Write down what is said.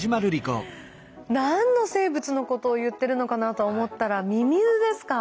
何の生物のことを言ってるのかなと思ったらミミズですか。